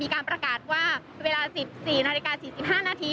มีการประกาศว่าเวลาสิบสี่นาฬิกาสี่สิบห้านาที